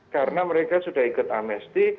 karena mereka sudah ikut amnesty